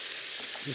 よし。